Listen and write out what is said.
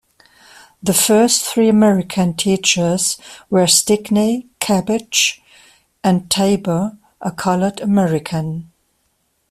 The first three American teachers were Stickney, Cappage, and Tabor, a colored American.